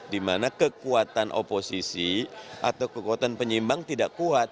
dimana kekuatan oposisi atau kekuatan penyimbang tidak kuat